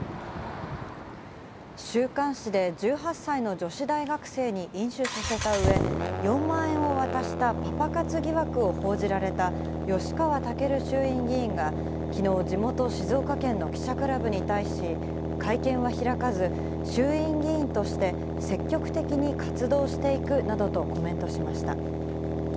週刊誌で１８歳の女子大学生に飲酒させたうえ、４万円を渡したパパ活疑惑を報じられた吉川赳衆院議員が、きのう、地元、静岡県の記者クラブに対して、会見は開かず、衆院議員として積極的に活動していくなどとコメントしました。